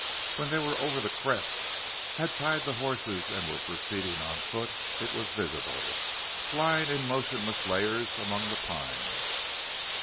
When they were over the crest, had tied the horses and were proceeding on foot, it was visible, lying in motionless layers among the pines.